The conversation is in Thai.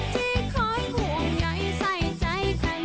ที่คอยห่วงใยใส่ใจใคร